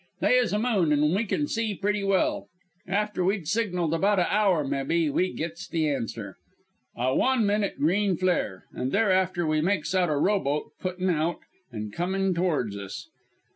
"They is a moon, an' we kin see pretty well. After we'd signaled about a hour, mebbee, we gits the answer a one minute green flare, and thereafterward we makes out a rowboat putting out and comin' towards us.